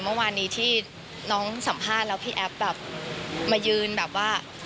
เมื่อวานนี้ที่น้องสัมภาษณ์แล้วพี่แอฟแบบมายืนแบบว่า